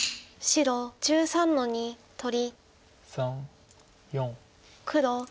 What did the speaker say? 白１９の二取り。